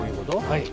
はい。